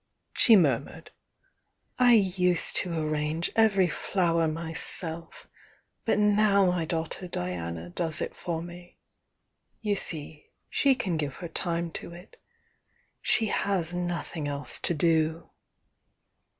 she murmured. "I used to arrange every flower myself, but now my daughter Diana does it for me. You see she can give her time to it, — she has nothing else to do."